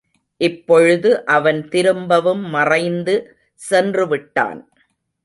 இப்பொழுது அவன் திரும்பவும் மறைந்து சென்றுவிட்டான்.